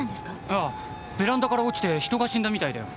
ああベランダから落ちて人が死んだみたいだよ。